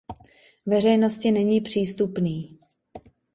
Veřejnosti není přístupný.